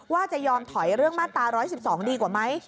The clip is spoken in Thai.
ว่าจะยอมถอยเรื่องมาตรา๑๑๒ดีกว่าไหม